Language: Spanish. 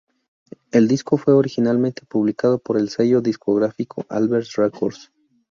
El disco fue originalmente publicado por el sello discográfico Albert Records.